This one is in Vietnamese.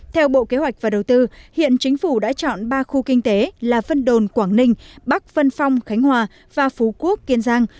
theo bộ kế hoạch và đầu tư hiện chính phủ đã chọn ba khu kinh tế là vân đồn quảng ninh bắc vân phong khánh hòa và phú quốc kiên giang